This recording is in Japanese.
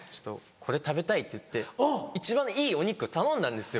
これ食べたいって言って一番いいお肉頼んだんですよ。